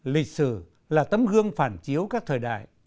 lịch sử là tấm gương phản chiếu các thời đại